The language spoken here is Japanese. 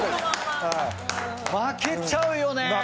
負けちゃうよね！